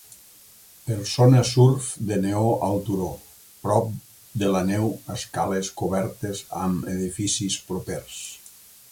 Persona surf de neu al turó prop de la neu escales cobertes amb edificis propers.